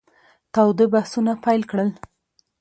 تاوده بحثونه پیل کړل.